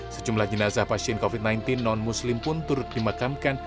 sejumlah jenazah pasien covid sembilan belas non muslim pun turut dimakamkan